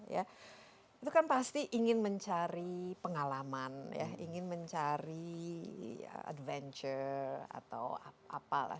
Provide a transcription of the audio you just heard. itu kan pasti ingin mencari pengalaman ya ingin mencari adventure atau apalah